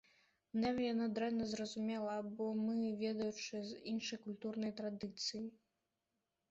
Нам яна дрэнна зразумелая, бо мы, відавочна, з іншай культурнай традыцыі.